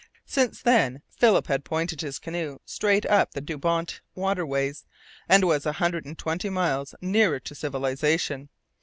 Since then Philip had pointed his canoe straight UP the Dubawnt waterways, and was a hundred and twenty miles nearer to civilization.